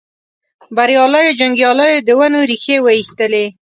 بریالیو جنګیالیو د ونو ریښې وایستلې.